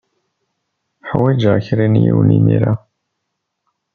Ḥwajeɣ kra n yiwen imir-a.